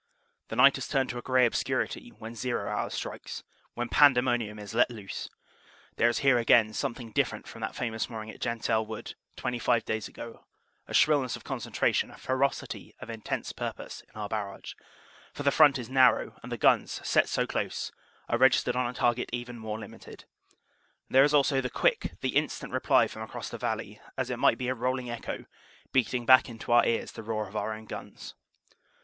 The night has turned to a gray obscurity when "zero" hour strikes; when pandemonium is let loose. There is here again something different from that famous morning at Gentelles Wood twenty five days ago a shrillness of concentration, a ferocity of intense purpose, in our barrage; for the front is nar row and the guns, set so close, are registered on a target even more limited. And there is also the quick, the instant reply from across the valley, as it might be a rolling echo, beating back into our ears the roar of our own guns.